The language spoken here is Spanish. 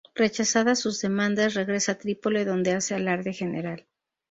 Rechazadas sus demandas, regresa a Trípoli donde hace alarde general.